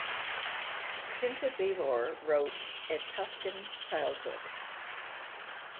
Kinta Beevor wrote "A Tuscan Childhood".